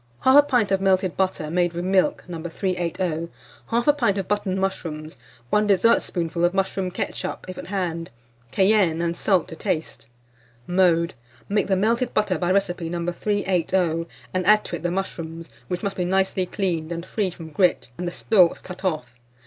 1/2 pint of melted butter, made with milk, No. 380; 1/2 pint of button mushrooms, 1 dessertspoonful of mushroom ketchup, if at hand; cayenne and salt to taste. Mode. Make the melted butter by recipe No. 380, and add to it the mushrooms, which must be nicely cleaned, and free from grit, and the stalks cut off.